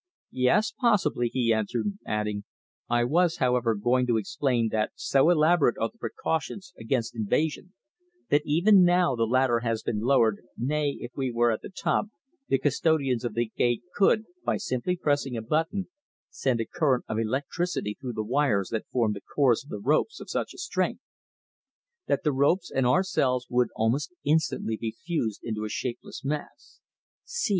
"Yes, possibly," he answered, adding, "I was, however, going to explain that so elaborate are the precautions against invasion that even now the ladder has been lowered, nay, even if we were at the top, the custodians of the Gate could, by simply pressing a button, send a current of electricity through the wires that form the cores of the ropes of such a strength, that the ropes and ourselves would almost instantly be fused into a shapeless mass. See!